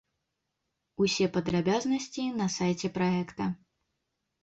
Усе падрабязнасці на сайце праекта.